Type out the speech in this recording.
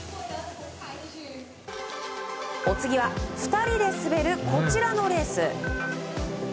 お次は２人で滑るこちらのレース。